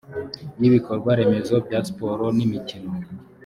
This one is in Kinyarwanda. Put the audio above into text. y ibikorwaremezo bya siporo n imikino